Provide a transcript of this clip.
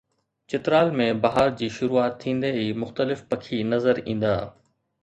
چترال ۾ بهار جي شروعات ٿيندي ئي مختلف پکي نظر ايندا